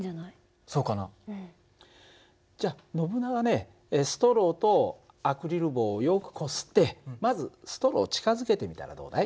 じゃノブナガねストローとアクリル棒をよくこすってまずストローを近づけてみたらどうだい？